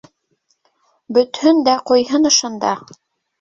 - Бөтһөн дә ҡуйһын ошонда.